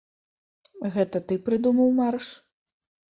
Гэта ты прыдумаў марш?